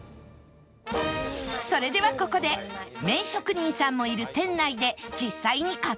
それではここで麺職人さんもいる店内で実際に買ってみましょう！